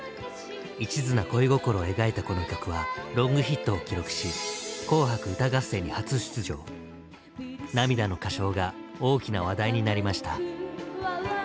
いちずな恋心を描いたこの曲はロングヒットを記録し涙の歌唱が大きな話題になりました。